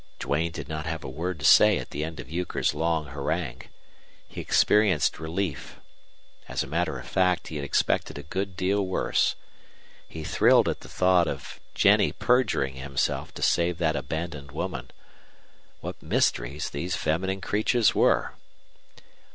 Duane did not have a word to say at the end of Euchre's long harangue. He experienced relief. As a matter of fact, he had expected a good deal worse. He thrilled at the thought of Jennie perjuring herself to save that abandoned woman. What mysteries these feminine creatures were!